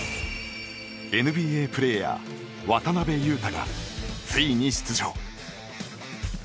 ＮＢＡプレーヤー、渡邊雄太がついに出場。